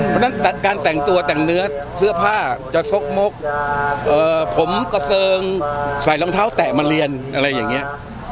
เพราะฉะนั้นการแต่งตัวแต่งเนื้อเสื้อผ้าจะซกมกผมกระเซิงใส่รองเท้าแตะมาเรียนอะไรอย่างนี้